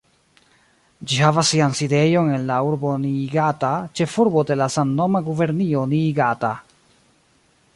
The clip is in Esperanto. Ĝi havas sian sidejon en la urbo Niigata, ĉefurbo de la samnoma gubernio Niigata.